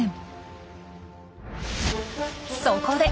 そこで！